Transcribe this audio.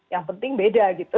yang penting beda gitu